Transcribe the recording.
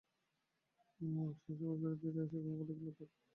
এক সময়ে শোবার ঘরে ফিরে এসে কুমু দেখলে, তার টিপাইয়ের উপর একশিশি লজেঞ্জস।